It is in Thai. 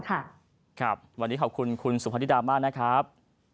ครับวันนี้ขอบคุณคุณสุพธิดามากนะครับ